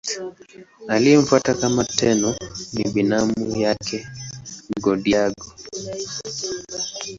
Aliyemfuata kama Tenno ni binamu yake Go-Daigo.